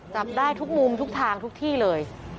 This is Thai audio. จับได้ทุกมุมทุกทางทุกที่เลย